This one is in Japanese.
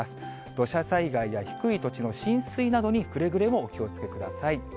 土砂災害や低い土地の浸水などにくれぐれもお気をつけください。